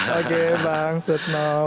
oke bang setnov